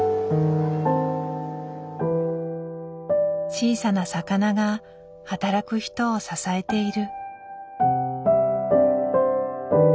小さな魚が働く人を支えている。